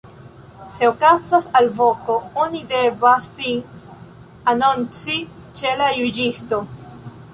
Se okazas alvoko, oni devas sin anonci ĉe la juĝisto.